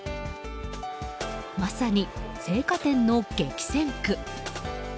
まさに、青果店の激戦区。